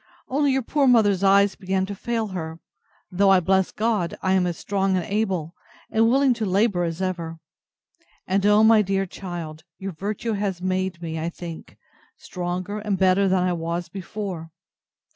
Only your poor mother's eyes begin to fail her; though, I bless God, I am as strong and able, and willing to labour as ever; and, O my dear child! your virtue has made me, I think, stronger and better than I was before.